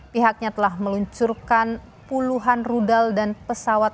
pihaknya telah meluncurkan puluhan rudal dan pesawat